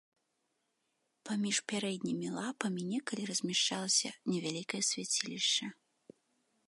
Паміж пярэднімі лапамі некалі размяшчалася невялікае свяцілішча.